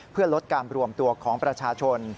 เพื่อลดการรวมตัวของประชาชน